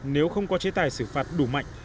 nếu không có chế tài xử phạt đủ mạnh